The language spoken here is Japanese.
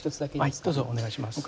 はいどうぞお願いします。